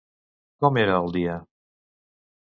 Com era el dia?